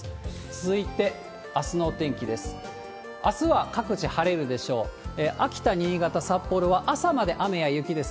続いてあすのお天気です。